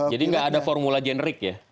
jadi nggak ada formula generik ya